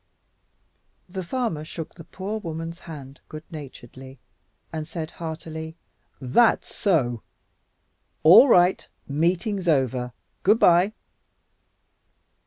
The farmer shook the poor woman's hand good naturedly and said heartily, "That's so! All right, meeting's over. Goodbye."